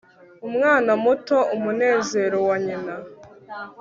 umwana muto, umunezero wa nyina